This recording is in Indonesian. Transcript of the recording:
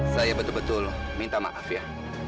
saya betul betul minta maaf ya